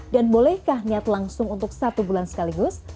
dan bolehkah niat langsung untuk satu bulan sekaligus